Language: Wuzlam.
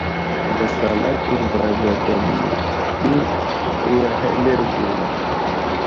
Ŋgwaslalaki andra gwadam yo áne ɗu, uway ahelerge way ?